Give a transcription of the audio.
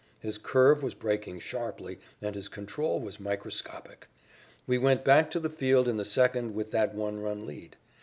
His curve was breaking sharply, and his control was microscopic. We went back to the field in the second with that one run lead.